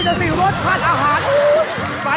ก็ใช่น่ะสิรสชาติอาหาร